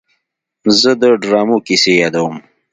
زه د ډرامو کیسې یادوم.